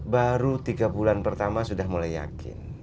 baru tiga bulan pertama sudah mulai yakin